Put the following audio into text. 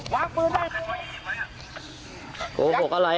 โกหกอะไรอ่ะโกหกอะไร